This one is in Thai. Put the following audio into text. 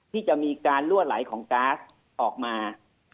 ที่จะมีการลั่วไหลของก๊าซออกมา